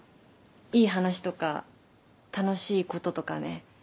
いい話とか楽しいこととかね